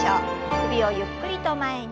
首をゆっくりと前に。